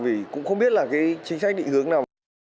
vì cũng không biết là cái chính sách định hướng nào